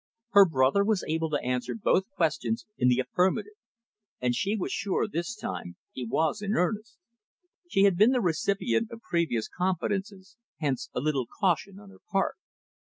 Her brother was able to answer both questions in the affirmative. And she was sure, this time, he was in earnest. She had been the recipient of previous confidences, hence a little caution on her part.